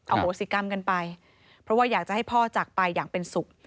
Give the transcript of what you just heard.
โหสิกรรมกันไปเพราะว่าอยากจะให้พ่อจากไปอย่างเป็นสุข